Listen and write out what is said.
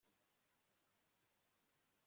ruturuturu uhagarare imbere ya farawo umubwire